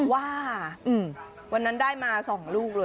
ว่าวันนั้นได้มา๒ลูกเลย